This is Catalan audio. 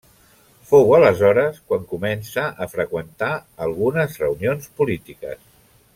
Fou aleshores quan comença a freqüentar algunes reunions polítiques.